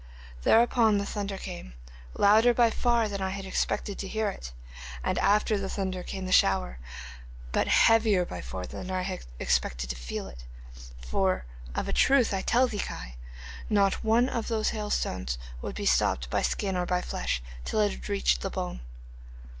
Thereupon the thunder came, louder by far than I had expected to hear it, and after the thunder came the shower, but heavier by far than I had expected to feel it, for, of a truth I tell thee, Kai, not one of those hailstones would be stopped by skin or by flesh till it had reached the bone.